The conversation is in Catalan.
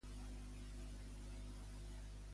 Què és la Deessa Yemayà?